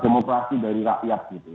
demokrasi dari rakyat gitu